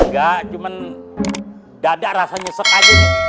gak cuman dadak rasanya sep aja nih